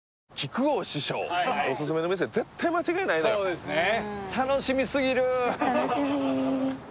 そうですね